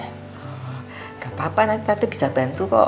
gak apa apa nanti tante bisa bantu kok